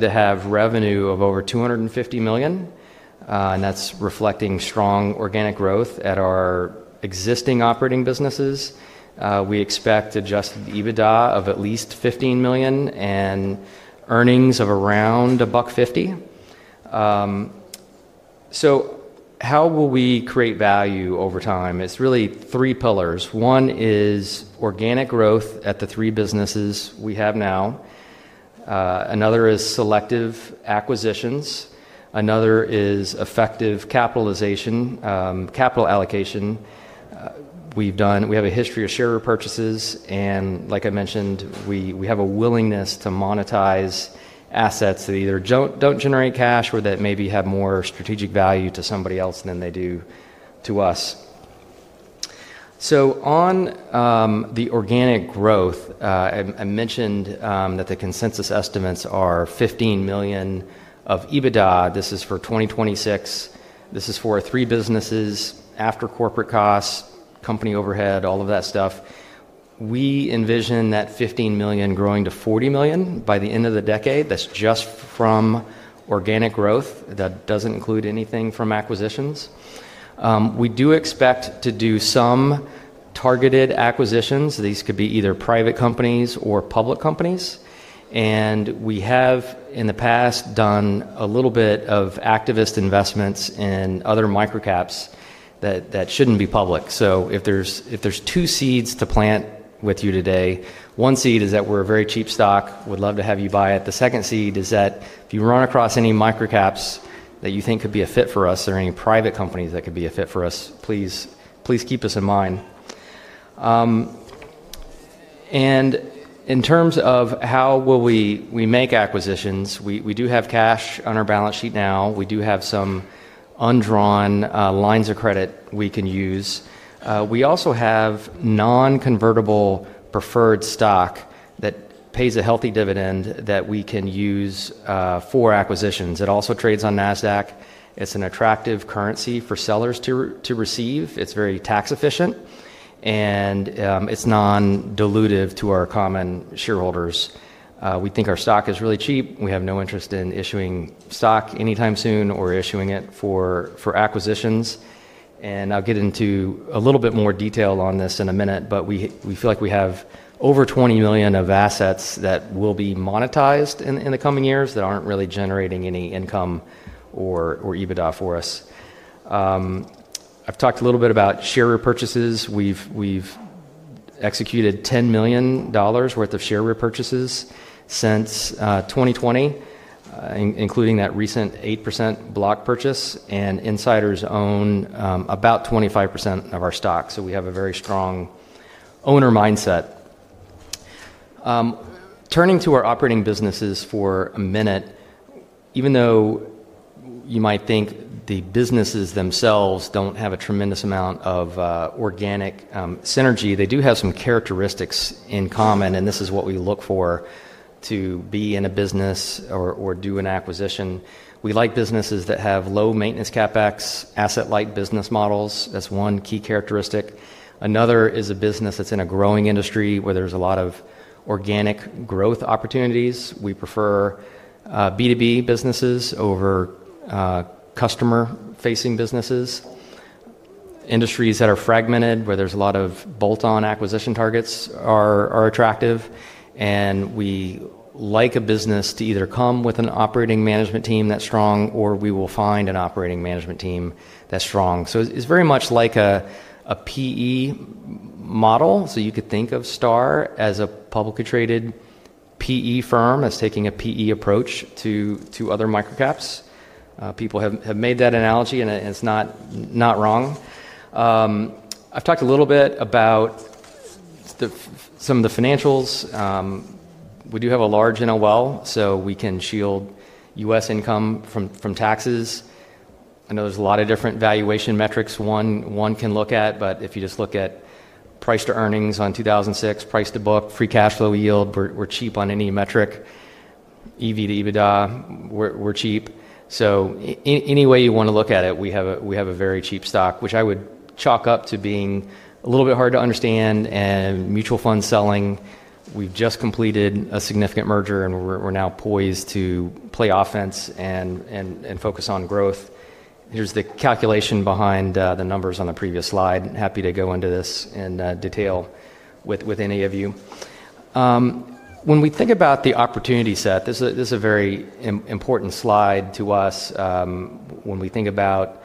To have revenue of over $250 million, and that's reflecting strong organic growth at our existing operating businesses. We expect adjusted EBITDA of at least $15 million and earnings of around $1.50. How will we create value over time? It's really three pillars. One is organic growth at the three businesses we have now. Another is selective acquisitions. Another is effective capital allocation. We have a history of share repurchases, and like I mentioned, we have a willingness to monetize assets that either don't generate cash or that maybe have more strategic value to somebody else than they do to us. On the organic growth, I mentioned that the consensus estimates are $15 million of EBITDA. This is for 2026. This is for three businesses after corporate costs, company overhead, all of that stuff. We envision that $15 million growing to $40 million by the end of the decade. That's just from organic growth. That doesn't include anything from acquisitions. We do expect to do some targeted acquisitions. These could be either private companies or public companies. We have in the past done a little bit of activist investments in other microcaps that shouldn't be public. If there's two seeds to plant with you today, one seed is that we're a very cheap stock, would love to have you buy it. The second seed is that if you run across any microcaps that you think could be a fit for us or any private companies that could be a fit for us, please keep us in mind. In terms of how we will make acquisitions, we do have cash on our balance sheet now. We do have some undrawn lines of credit we can use. We also have non-convertible preferred stock that pays a healthy dividend that we can use for acquisitions. It also trades on Nasdaq. It's an attractive currency for sellers to receive. It's very tax efficient, and it's non-dilutive to our common shareholders. We think our stock is really cheap. We have no interest in issuing stock anytime soon or issuing it for acquisitions. I'll get into a little bit more detail on this in a minute, but we feel like we have over $20 million of assets that will be monetized in the coming years that aren't really generating any income or EBITDA for us. I've talked a little bit about share repurchases. We've executed $10 million worth of share repurchases since 2020, including that recent 8% block purchase, and insiders own about 25% of our stock. We have a very strong owner mindset. Turning to our operating businesses for a minute, even though you might think the businesses themselves don't have a tremendous amount of organic synergy, they do have some characteristics in common, and this is what we look for to be in a business or do an acquisition. We like businesses that have low maintenance CapEx, asset-light business models. That's one key characteristic. Another is a business that's in a growing industry where there's a lot of organic growth opportunities. We prefer B2B businesses over customer-facing businesses. Industries that are fragmented, where there's a lot of bolt-on acquisition targets, are attractive. We like a business to either come with an operating management team that's strong, or we will find an operating management team that's strong. It's very much like a PE model. You could think of Star as a publicly traded PE firm as taking a PE approach to other microcaps. People have made that analogy, and it's not wrong. I've talked a little bit about some of the financials. We do have a large NOL, so we can shield U.S. income from taxes. I know there's a lot of different valuation metrics one can look at, but if you just look at price to earnings on 2006, price to book, free cash flow yield, we're cheap on any metric. EV/EBITDA, we're cheap. Any way you want to look at it, we have a very cheap stock, which I would chalk up to being a little bit hard to understand and mutual fund selling. We've just completed a significant merger, and we're now poised to play offense and focus on growth. Here's the calculation behind the numbers on the previous slide. Happy to go into this in detail with any of you. When we think about the opportunity set, this is a very important slide to us when we think about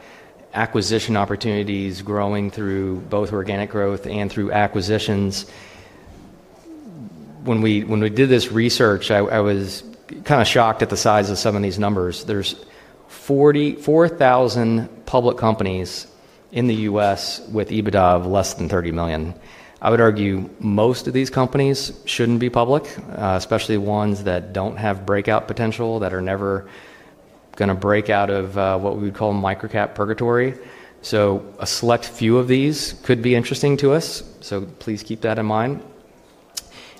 acquisition opportunities growing through both organic growth and through acquisitions. When we did this research, I was kind of shocked at the size of some of these numbers. There's 44,000 public companies in the U.S. with EBITDA of less than $30 million. I would argue most of these companies shouldn't be public, especially ones that don't have breakout potential, that are never going to break out of what we would call microcap purgatory. A select few of these could be interesting to us. Please keep that in mind.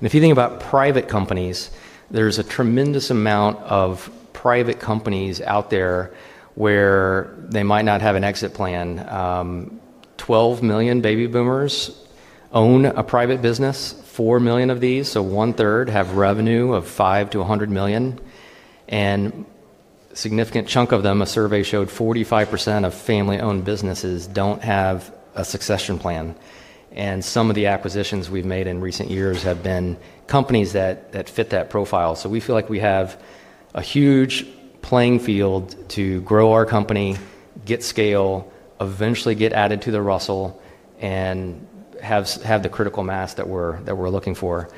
If you think about private companies, there's a tremendous amount of private companies out there where they might not have an exit plan. 12 million baby boomers own a private business, 4 million of these, so 1/3, have revenue of $5 million-$100 million. A significant chunk of them, a survey showed, 45% of family-owned businesses don't have a succession plan. Some of the acquisitions we've made in recent years have been companies that fit that profile. We feel like we have a huge playing field to grow our company, get scale, eventually get added to the Russell, and have the critical mass that we're looking for.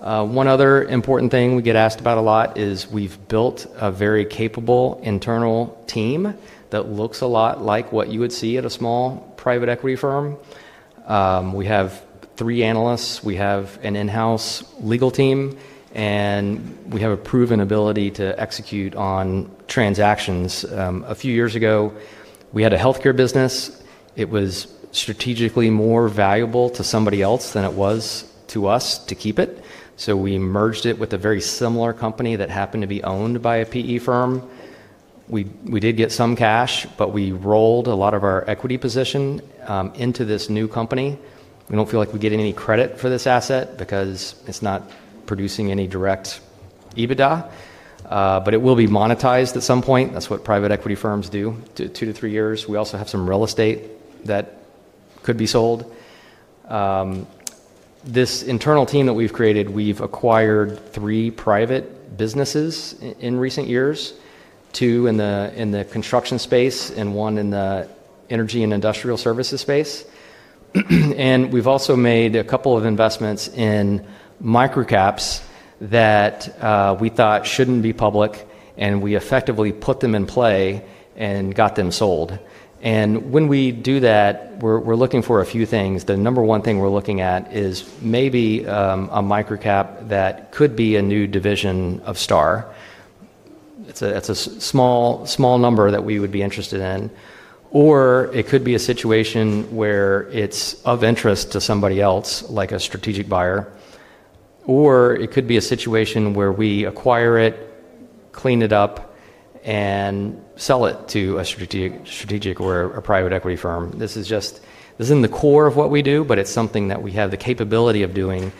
One other important thing we get asked about a lot is we've built a very capable internal team that looks a lot like what you would see at a small private equity firm. We have three analysts, we have an in-house legal team, and we have a proven ability to execute on transactions. A few years ago, we had a healthcare business. It was strategically more valuable to somebody else than it was to us to keep it. We merged it with a very similar company that happened to be owned by a PE firm. We did get some cash, but we rolled a lot of our equity position into this new company. We don't feel like we're getting any credit for this asset because it's not producing any direct EBITDA, but it will be monetized at some point. That's what private equity firms do, two to three years. We also have some real estate that could be sold. This internal team that we've created, we've acquired three private businesses in recent years, two in the construction space and one in the energy and industrial services space. We've also made a couple of investments in microcaps that we thought shouldn't be public, and we effectively put them in play and got them sold. When we do that, we're looking for a few things. The number one thing we're looking at is maybe a microcap that could be a new division of Star. That's a small number that we would be interested in. It could be a situation where it's of interest to somebody else, like a strategic buyer. It could be a situation where we acquire it, clean it up, and sell it to a strategic or a private equity firm. This is in the core of what we do, but it's something that we have the capability of doing.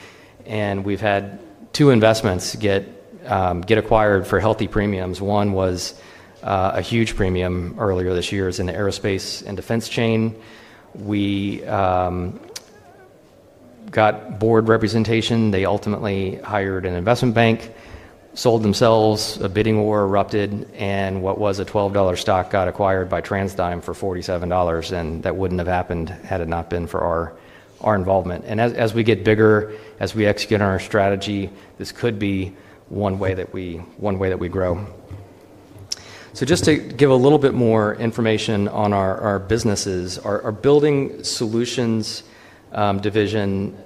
We've had two investments get acquired for healthy premiums. One was a huge premium earlier this year in the aerospace and defense chain. We got board representation. They ultimately hired an investment bank, sold themselves, a bidding war erupted, and what was a $12 stock got acquired by TransDigm for $47. That wouldn't have happened had it not been for our involvement. As we get bigger, as we execute on our strategy, this could be one way that we grow. Just to give a little bit more information on our businesses, our building solutions division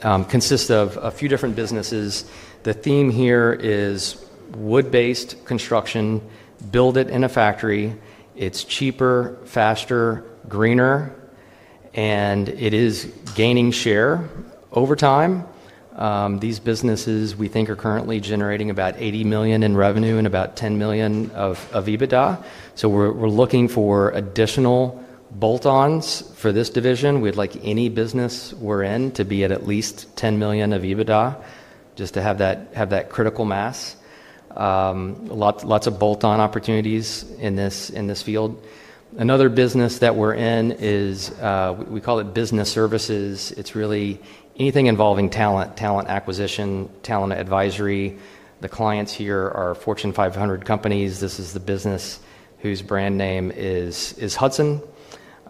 consists of a few different businesses. The theme here is wood-based construction, build it in a factory. It's cheaper, faster, greener, and it is gaining share over time. These businesses we think are currently generating about $80 million in revenue and about $10 million of EBITDA. We're looking for additional bolt-ons for this division. We'd like any business we're in to be at at least $10 million of EBITDA just to have that critical mass. Lots of bolt-on opportunities in this field. Another business that we're in is, we call it business services. It's really anything involving talent, talent acquisition, talent advisory. The clients here are Fortune 500 companies. This is the business whose brand name is Hudson.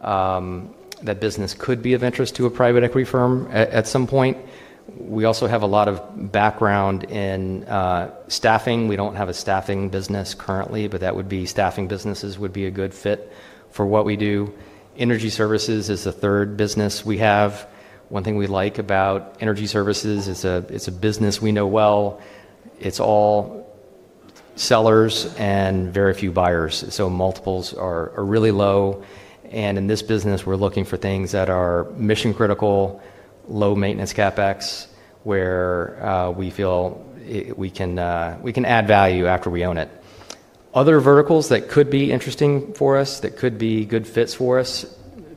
That business could be of interest to a private equity firm at some point. We also have a lot of background in staffing. We don't have a staffing business currently, but staffing businesses would be a good fit for what we do. Energy services is the third business we have. One thing we like about energy services is it's a business we know well. It's all sellers and very few buyers. Multiples are really low. In this business, we're looking for things that are mission critical, low maintenance CapEx where we feel we can add value after we own it. Other verticals that could be interesting for us, that could be good fits for us,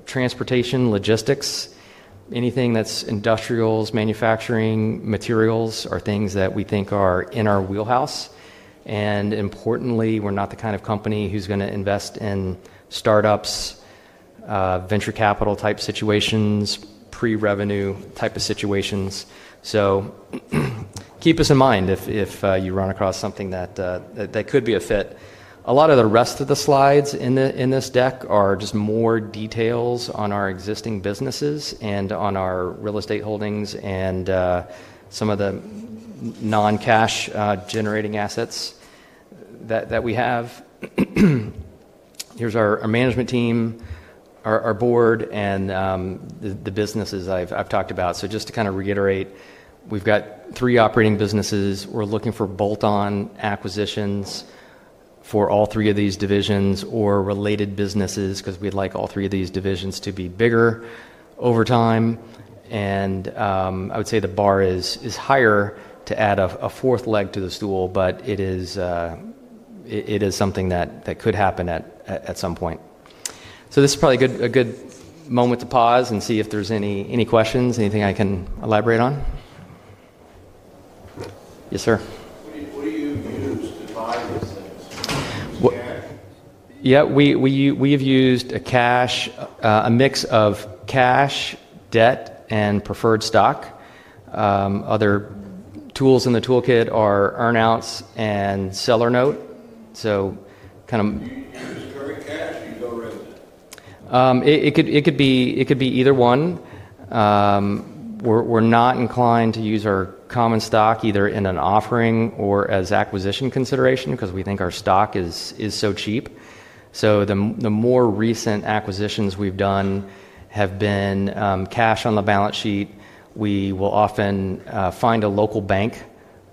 transportation, logistics, anything that's industrials, manufacturing, materials are things that we think are in our wheelhouse. Importantly, we're not the kind of company who's going to invest in startups, venture capital type situations, pre-revenue type of situations. Keep us in mind if you run across something that could be a fit. A lot of the rest of the slides in this deck are just more details on our existing businesses and on our real estate holdings and some of the non-cash generating assets that we have. Here's our management team, our board, and the businesses I've talked about. Just to kind of reiterate, we've got three operating businesses. We're looking for bolt-on acquisitions for all three of these divisions or related businesses because we'd like all three of these divisions to be bigger over time. I would say the bar is higher to add a fourth leg to the stool, but it is something that could happen at some point. This is probably a good moment to pause and see if there's any questions, anything I can elaborate on. Yes, sir? What do you use to buy these things? Yeah, we have used a mix of cash, debt, and preferred stock. Other tools in the toolkit are earnouts and seller note. If there's current cash, do you go real debt? It could be either one. We're not inclined to use our common stock either in an offering or as acquisition consideration because we think our stock is so cheap. The more recent acquisitions we've done have been cash on the balance sheet. We will often find a local bank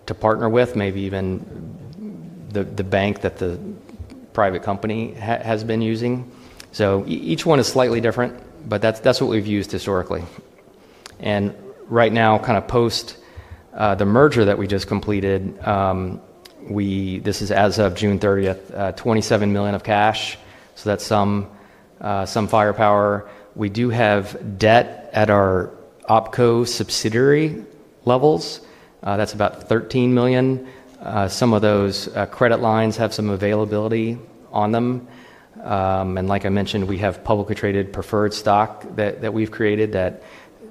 to partner with, maybe even the bank that the private company has been using. Each one is slightly different, but that's what we've used historically. Right now, kind of post the merger that we just completed, this is as of June 30th, $27 million of cash. That's some firepower. We do have debt at our opco subsidiary levels. That's about $13 million. Some of those credit lines have some availability on them. Like I mentioned, we have publicly traded preferred stock that we've created that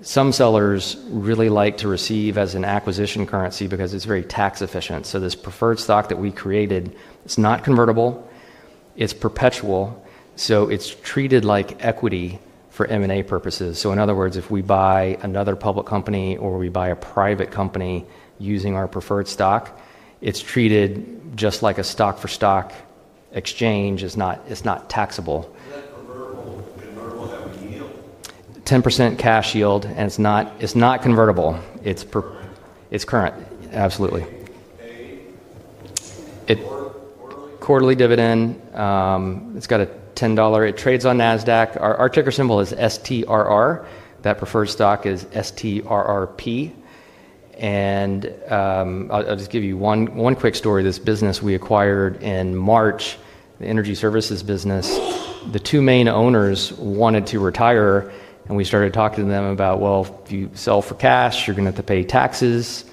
some sellers really like to receive as an acquisition currency because it's very tax efficient. This preferred stock that we created is not convertible. It's perpetual. It's treated like equity for M&A purposes. In other words, if we buy another public company or we buy a private company using our preferred stock, it's treated just like a stock-for-stock exchange. It's not taxable. Is that convertible? Is it convertible at what yield? 10% cash yield, and it's not convertible. Current? It's current. Absolutely. Paid quarterly? Quarterly dividend. It's got a $10. It trades on Nasdaq. Our ticker symbol is STRR. That preferred stock is STRRP. I'll just give you one quick story. This business we acquired in March, the energy services business, the two main owners wanted to retire, and we started talking to them about, if you sell for cash, you're going to have to pay taxes.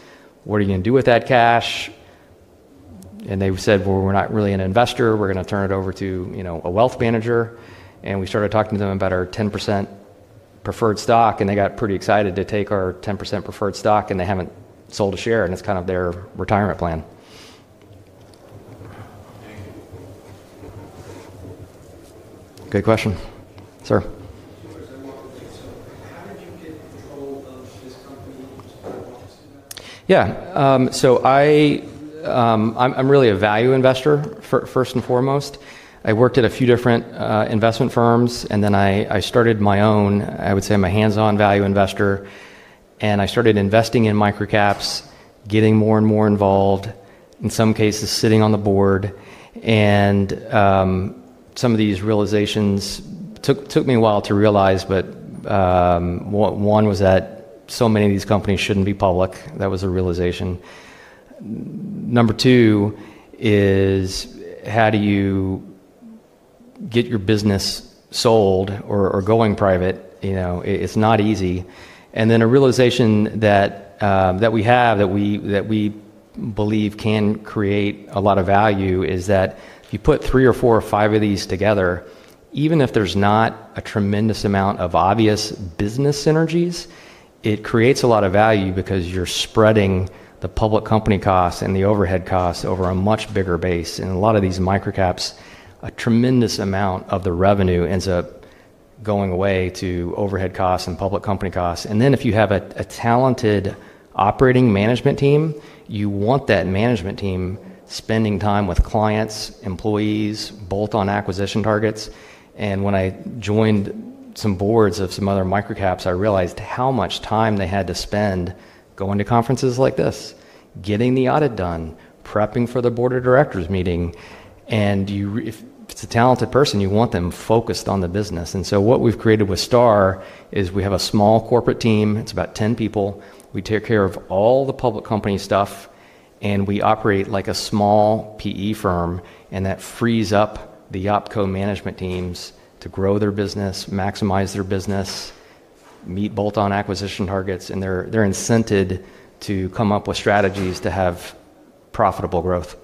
What are you going to do with that cash? They said, we're not really an investor. We're going to turn it over to a wealth manager. We started talking to them about our 10% preferred stock, and they got pretty excited to take our 10% preferred stock, and they haven't sold a share, and it's kind of their retirement plan. Thank you. Good question. Sir? How did you get control of this company? Did you have a lot to say about it? Yeah. I'm really a value investor, first and foremost. I worked at a few different investment firms, and then I started my own. I would say I'm a hands-on value investor. I started investing in microcaps, getting more and more involved, in some cases sitting on the board. Some of these realizations took me a while to realize, but one was that so many of these companies shouldn't be public. That was a realization. Number two is how do you get your business sold or going private? It's not easy. A realization that we have that we believe can create a lot of value is that if you put three or four or five of these together, even if there's not a tremendous amount of obvious business synergies, it creates a lot of value because you're spreading the public company costs and the overhead costs over a much bigger base. A lot of these microcaps, a tremendous amount of the revenue ends up going away to overhead costs and public company costs. If you have a talented operating management team, you want that management team spending time with clients, employees, bolt-on acquisition targets. When I joined some boards of some other microcaps, I realized how much time they had to spend going to conferences like this, getting the audit done, prepping for the board of directors meeting. If it's a talented person, you want them focused on the business. What we've created with Star is we have a small corporate team. It's about 10 people. We take care of all the public company stuff, and we operate like a small PE firm. That frees up the opco management teams to grow their business, maximize their business, meet bolt-on acquisition targets, and they're incented to come up with strategies to have profitable growth.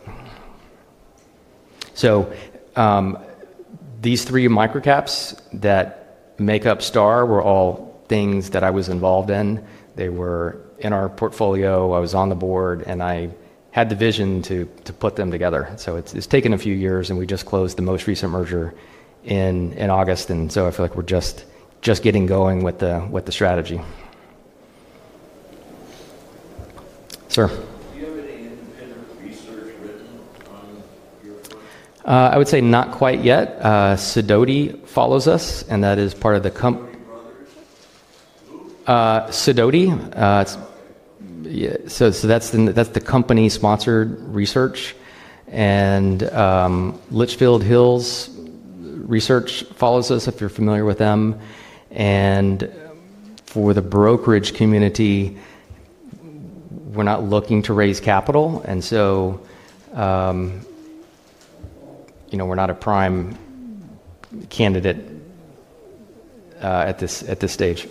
These three microcaps that make up Star were all things that I was involved in. They were in our portfolio. I was on the board, and I had the vision to put them together. It's taken a few years, and we just closed the most recent merger in August. I feel like we're just getting going with the strategy. Sir? Do you have any independent research written on your approach? I would say not quite yet. [Sidoti] follows us, and that is part of the company. [Sidoti] brothers? Who? That's the company-sponsored research. Litchfield Hills Research follows us if you're familiar with them. For the brokerage community, we're not looking to raise capital, so we're not a prime candidate at this stage.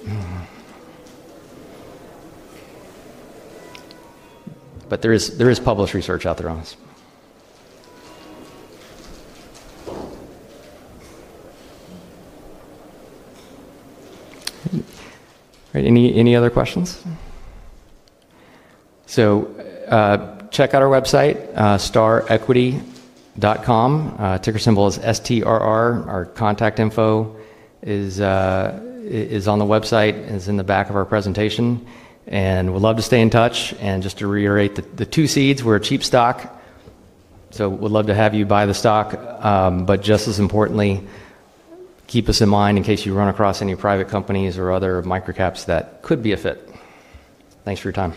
There is published research out there on us. Any other questions? Check out our website, starequity.com. Ticker symbol is STRR. Our contact info is on the website and is in the back of our presentation. We'd love to stay in touch. Just to reiterate, the two seeds, we're a cheap stock. We'd love to have you buy the stock. Just as importantly, keep us in mind in case you run across any private companies or other microcaps that could be a fit. Thanks for your time.